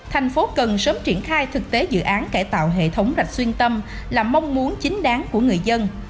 thành phố cần sớm triển khai thực tế dự án cải tạo hệ thống rạch xuyên tâm là mong muốn chính đáng của người dân